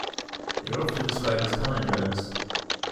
They are often described as palindromes.